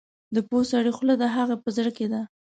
د پوه سړي خوله د هغه په زړه کې ده.